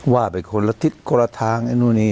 ว่าเป็นคนละทิศคนละทาง